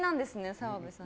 澤部さん。